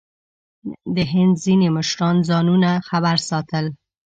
د هند ځینې مشران ځانونه خبر ساتل.